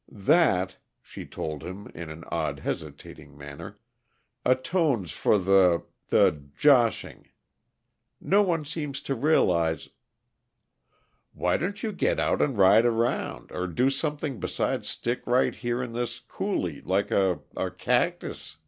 "That," she told him, in an odd, hesitating manner, "atones for the the 'joshing.' No one seems to realize " "Why don't you get out and ride around, or do something beside stick right here in this coulee like a a cactus?"